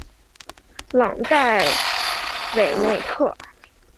朗代韦内克。